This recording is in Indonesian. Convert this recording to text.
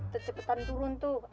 udah cepetan turun tuh